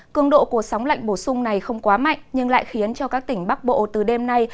cường độ của sóng lạnh bổ sung này không quá mạnh nhưng lại khiến cho các tỉnh bắc bộ từ đêm nay